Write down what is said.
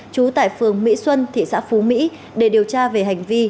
trú tại phường mỹ xuân thị xã phú mỹ để điều tra về hành vi